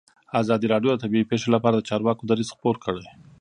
ازادي راډیو د طبیعي پېښې لپاره د چارواکو دریځ خپور کړی.